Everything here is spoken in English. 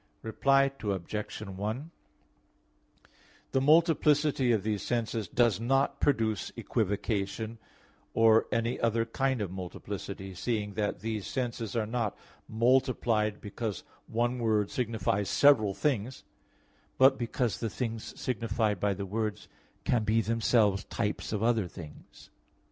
Reply Obj. 1: The multiplicity of these senses does not produce equivocation or any other kind of multiplicity, seeing that these senses are not multiplied because one word signifies several things, but because the things signified by the words can be themselves types of other things.